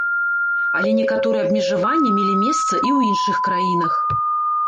Але некаторыя абмежаванні мелі месца і ў іншых краінах.